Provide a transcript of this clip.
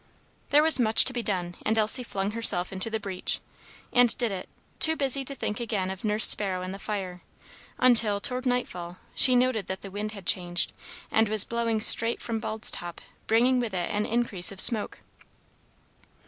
There was much to be done, and Elsie flung herself into the breach, and did it, too busy to think again of Nurse Sparrow and the fire, until, toward nightfall, she noted that the wind had changed, and was blowing straight from Bald Top, bringing with it an increase of smoke.